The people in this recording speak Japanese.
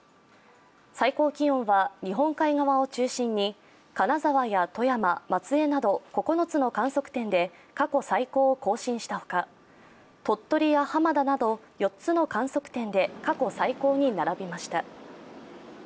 最高気温は日本海側を中心に金沢や富山、松江など９つの観測点で過去最高を更新したほか、鳥取や浜田など４つの観測点で過去最高に並びました。